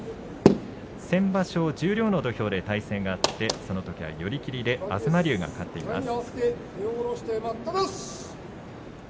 先場所、十両の土俵で対戦があって、そのときは寄り切りで東龍が勝っています。